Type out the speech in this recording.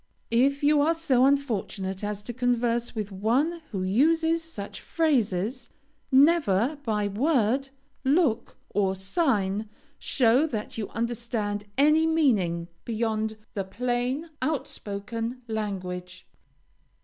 If you are so unfortunate as to converse with one who uses such phrases, never by word, look, or sign show that you understand any meaning beyond the plain, outspoken language.